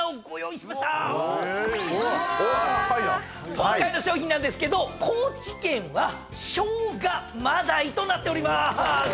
今回の賞品なんですけど高知県は生姜真鯛となっておりまーす！